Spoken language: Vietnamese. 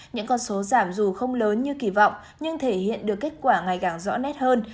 những con số giảm dù không lớn như kỳ vọng nhưng thể hiện được kết quả ngày càng rõ nét hơn